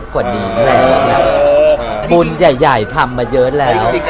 ให้คนใหญ่ทำมาเยอะแล้ว